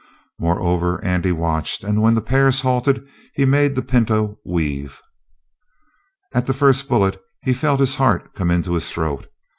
Moreover, Andy watched, and when the pairs halted he made the pinto weave. At the first bullet he felt his heart come into his throat.